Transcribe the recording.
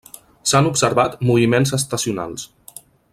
S'han observat moviments estacionals.